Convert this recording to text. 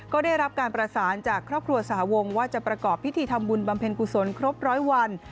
ก็ได้รับการประสานจากครอบครัวสหวงว่าจะประกอบพิธีทำบุญบำเพ็ญกุศลครบร้อยวัน